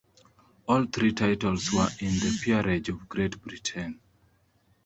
All three titles were in the Peerage of Great Britain.